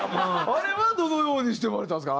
あれはどのようにして生まれたんですか？